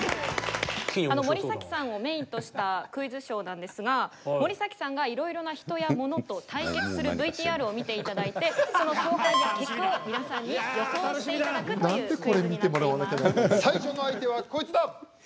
森崎さんをメインとしたクイズショーなんですが森崎さんがいろいろな人や物と対決するＶＴＲを見ていただいてその結果を皆さんに予想していただくというクイズになっています。